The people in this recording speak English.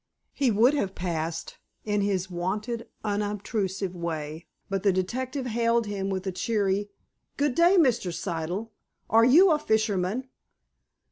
He would have passed, in his wonted unobtrusive way, but the detective hailed him with a cheery "Good day, Mr. Siddle. Are you a fisherman?"